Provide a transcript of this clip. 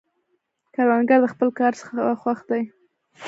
کروندګر د خپل کار څخه خوښ دی